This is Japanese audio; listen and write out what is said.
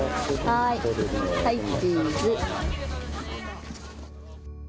はい、チーズ。